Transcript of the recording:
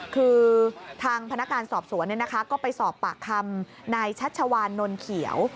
คือทางพนักงานสอบสวนก็ไปสอบปากคำนายชัชวานนเขียว